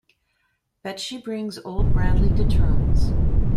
Bet she brings old Bradley to terms.